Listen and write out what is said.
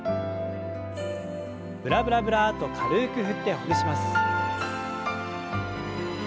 ブラブラブラッと軽く振ってほぐします。